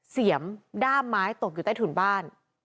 เสียมด้ามไม้ตกอยู่ใต้ถุนบ้าน